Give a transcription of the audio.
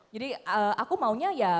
jadi aku maunya ya